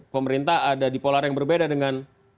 pemerintah ada di polar yang berbeda dengan